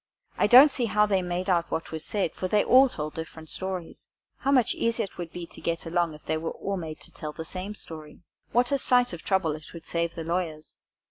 I don't see how they made out what was said, for they all told different stories. How much easier it would be to get along if they were all made to tell the same story! What a sight of trouble it would save the lawyers!